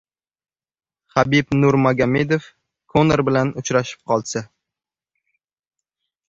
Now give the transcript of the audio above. Habib Nurmagomedov Konor bilan uchrashib qolsa...